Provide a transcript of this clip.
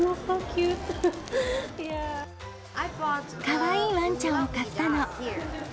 かわいいわんちゃんを買ったの。